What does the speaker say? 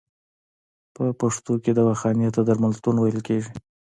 په پښتو کې دواخانې ته درملتون ویل کیږی.